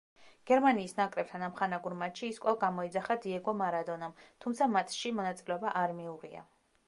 გერმანიის ნაკრებთან ამხანაგურ მატჩში ის კვლავ გამოიძახა დიეგო მარადონამ, თუმცა მატჩში მონაწილეობა არ მიუღია.